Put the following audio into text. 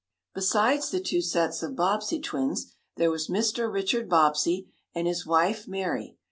Besides the two sets of Bobbsey twins, there was Mr. Richard Bobbsey, and his wife Mary.